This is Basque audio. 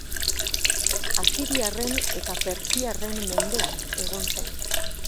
Asiriarren eta persiarren mendean egon zen.